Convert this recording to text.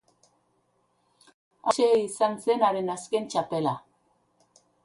Hauxe izan zen haren azken txapela.